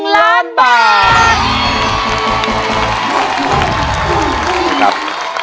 ๑ล้านบาท